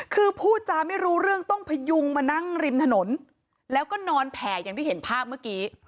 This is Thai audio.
คือพูดจาไม่รู้เรื่องต้องพยุงมานั่งริมถนนแล้วก็นอนแผ่อย่างที่เห็นภาพเมื่อกี้